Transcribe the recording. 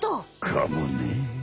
かもね。